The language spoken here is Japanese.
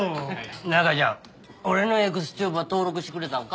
中ちゃん俺のＥｘＴｕｂｅは登録してくれたんか？